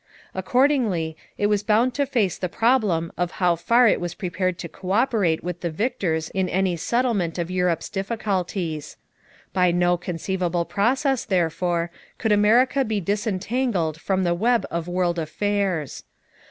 Accordingly, it was bound to face the problem of how far it was prepared to coöperate with the victors in any settlement of Europe's difficulties. By no conceivable process, therefore, could America be disentangled from the web of world affairs.